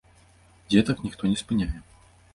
Дзетак ніхто не спыняе.